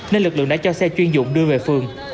nên lực lượng đã cho xe chuyên dụng đưa về phường